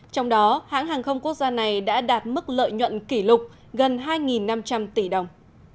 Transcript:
trong đó hãng hàng không quốc gia này đã đạt mức lợi nhuận kỷ lục gần hai năm trăm linh tỷ đồng